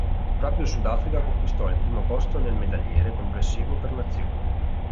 Proprio il Sudafrica conquistò il primo posto nel medagliere complessivo per nazioni.